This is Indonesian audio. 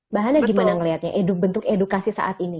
bahannya gimana ngelihatnya bentuk edukasi saat ini